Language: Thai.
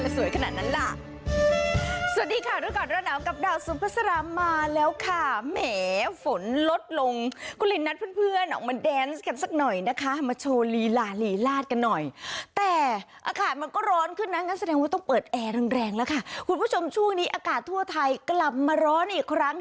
สวัสดีค่ะทุกคนร่วมน้ำกับดาวซุประสาระมาแล้วค่ะแหมฝนลดลงก็เลยนัดเพื่อนเพื่อนออกมาแดนซ์กันสักหน่อยนะคะมาโชว์ลีหล่าลีหลาดกันหน่อยแต่อาหารมันก็ร้อนขึ้นน่ะงั้นแสดงว่าต้องเปิดแอร์แรงแรงแล้วค่ะคุณผู้ชมช่วงนี้อากาศทั่วไทยกลับมาร้อนอีกครั้งเห็นไหมครับคุณผู้ชมช่วงนี้อากาศทั่วไท